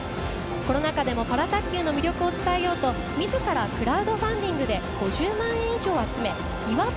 コロナ禍でもパラ卓球の魅力を伝えようとみずからクラウドファンディングで５０万円以上を集め岩渕